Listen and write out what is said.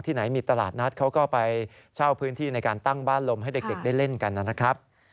ไหนมีตลาดนัดเขาก็ไปเช่าพื้นที่ในการตั้งบ้านลมให้เด็กได้เล่นกันนะครับ